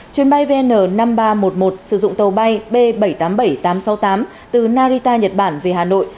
chuyến bay vn năm nghìn ba trăm một mươi một sử dụng tàu bay b bảy trăm tám mươi bảy tám trăm sáu mươi tám từ narita nhật bản về hà nội